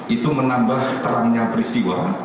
itu menambah terangnya peristiwa